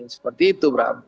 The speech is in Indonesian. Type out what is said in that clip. seperti itu bram